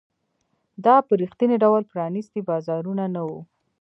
دا په رښتیني ډول پرانیستي بازارونه نه وو.